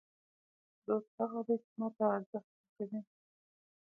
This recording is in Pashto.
دوست هغه دئ، چي ما ته ارزښت راکوي.